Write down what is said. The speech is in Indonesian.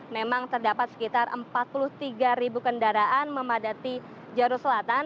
memang terdapat sekitar empat puluh tiga ribu kendaraan memadati jalur selatan